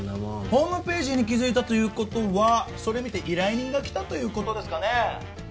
ホームページに気づいたという事はそれ見て依頼人が来たという事ですかね？